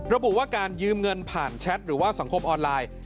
ระบุว่าการยืมเงินผ่านแชทหรือว่าสังคมออนไลน์